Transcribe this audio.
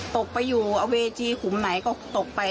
ตกไปอยู่เวทีขุมไหนก็ตกไป